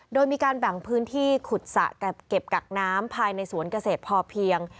โดยมีการแบ่งพื้นที่ขุดสระเก็บกักน้ำภายในสวนเกษตรพอเพียง